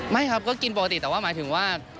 ไม่ครับก็กินปกติแต่ว่าหมายถึงว่า